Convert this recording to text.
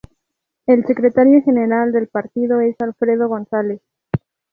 El secretario general del partido es Alfredo González.